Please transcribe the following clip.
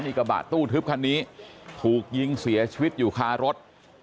กระบะตู้ทึบคันนี้ถูกยิงเสียชีวิตอยู่คารถ